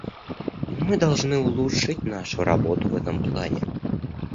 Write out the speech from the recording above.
Мы должны улучшить нашу работу в этом плане.